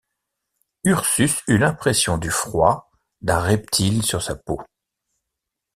Ursus eut l’impression du froid d’un reptile sur sa peau.